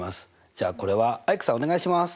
じゃあこれはアイクさんお願いします。